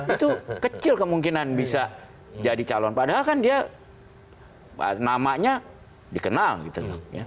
itu kecil kemungkinan bisa jadi calon padahal kan dia namanya dikenal gitu loh